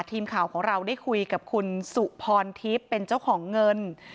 ทีมข่าวของเราได้คุยกับคุณสุพรทิพย์เป็นเจ้าของเงิน